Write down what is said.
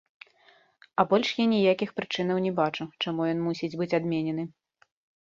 А больш я ніякіх прычынаў не бачу, чаму ён мусіць быць адменены.